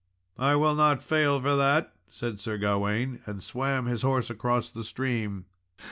"I will not fail for that," said Sir Gawain; and swam his horse across the stream.